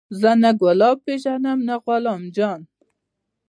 زه نه ګلاب پېژنم نه غلام جان.